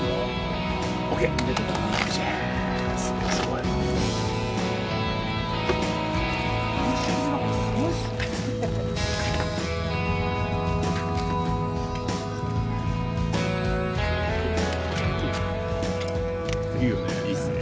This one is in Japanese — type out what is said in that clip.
いいっすね。